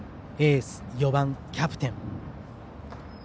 エース、４番、キャプテン。